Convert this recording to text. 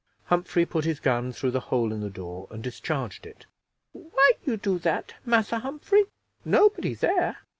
Humphrey put his gun through the hole in the door, and discharged it. "Why you do that, Massa Humphrey? nobody there!"